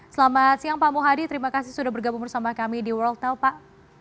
selamat siang pak muhadi terima kasih sudah bergabung bersama kami di world now pak